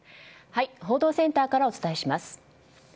報道センターからお伝えします。